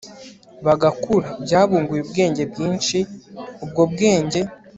bagakura byabunguye ubwenge bwinshi ubwo bwenge